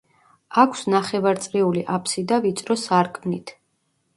აქვს ნახევარწრიული აფსიდა ვიწრო სარკმლით.